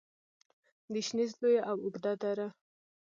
د شنیز لویه او اوږده دره